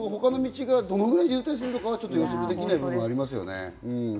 他の道がどのぐらい渋滞するのか予測できない部分がありますね。